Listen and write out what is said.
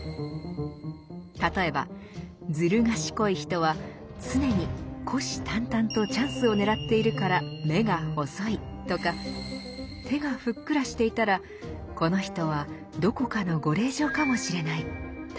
例えば「ずる賢い人は常に虎視眈々とチャンスを狙っているから目が細い」とか手がふっくらしていたら「この人はどこかのご令嬢かもしれない」とか。